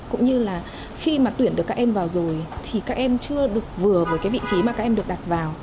cũng như là khi mà tuyển được các em vào rồi thì các em chưa được vừa với cái vị trí mà các em được đặt vào